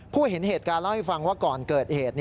เห็นเหตุการณ์เล่าให้ฟังว่าก่อนเกิดเหตุ